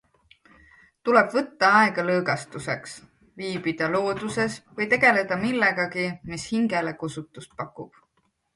Tuleb võtta aega lõõgastuseks - viibida looduses või tegeleda millegagi, mis hingele kosutust pakub.